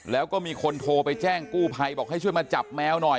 แล้วก็มีคนโทรไปแจ้งกู้ภัยบอกให้ช่วยมาจับแมวหน่อย